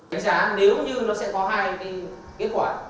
đánh giá nếu như nó sẽ có hai kết quả